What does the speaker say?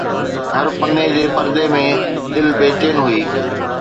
هر پني جي پردي ۾ دل بيچين هئي